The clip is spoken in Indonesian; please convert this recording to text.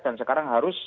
dan sekarang harus